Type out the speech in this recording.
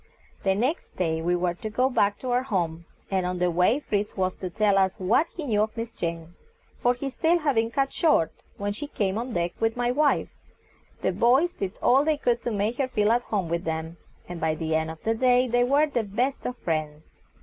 The next day we were to go back to our home, and on the way Fritz was to tell us what he knew of Miss Jane, for his tale had been cut short when she came on the deck with my wife. The boys did all they could to make her feel at home with them, and by the end of the day they were the best of friends.